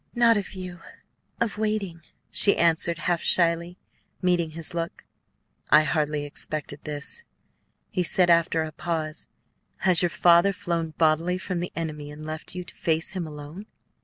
"Not of you; of waiting," she answered, half shyly meeting his look. "I hardly expected this," he said after a pause; "has your father flown bodily from the enemy and left you to face him alone?"